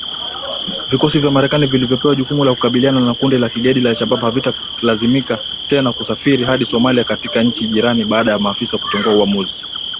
Vikosi vya Marekani vilivyopewa jukumu la kukabiliana na kundi la kigaidi la al-Shabab havitalazimika tena kusafiri hadi Somalia kutoka nchi jirani baada ya maafisa kutengua uamuzi